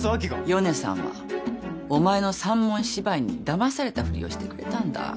ヨネさんはお前の三文芝居にだまされたふりをしてくれたんだ。